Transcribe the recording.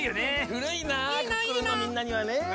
ふるいな「クックルン」のみんなにはね。